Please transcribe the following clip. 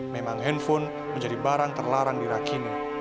memang handphone menjadi barang terlarang di rakhine